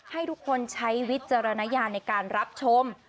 ให้ทุกคนใช้วิจารณญาณในการรับชม